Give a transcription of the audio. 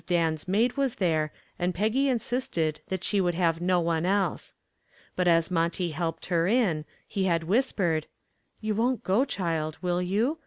Dan's maid was there and Peggy insisted that she would have no one else. But as Monty helped her in, he had whispered, "You won't go, child, will you?